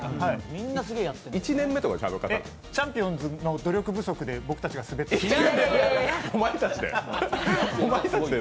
チャンピオンズの努力不足で僕たちが滑ってる。